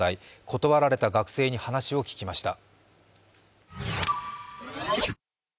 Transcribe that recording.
断られた学生に話を聞きました。